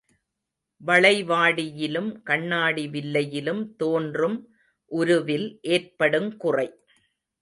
வளைவாடியிலும் கண்ணாடி வில்லையிலும் தோன்றும் உருவில் ஏற்படுங் குறை.